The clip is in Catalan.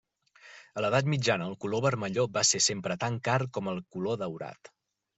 A l'edat mitjana, el color vermelló va ser sempre tan car com el color daurat.